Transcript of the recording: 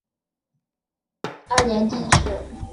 大观二年进士。